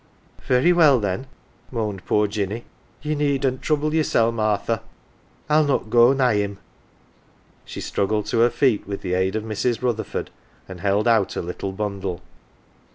""" Very well, then,"" moaned poor Jinny. " Ye needn't trouble yersel', Martha ; I'll not go nigh him." She struggled to her feet with the aid of Mrs. Rutherford, and held out her little bundle.